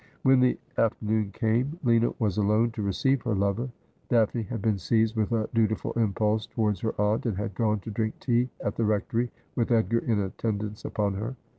When the afternoon came, Lina was alone to receive her lover. Daphne had been seized with a dutiful impulse towards her aunt, and had gone to drink tea at the Rectory, with Edgar in attendance upon her.